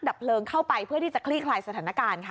ดับเพลิงเข้าไปเพื่อที่จะคลี่คลายสถานการณ์ค่ะ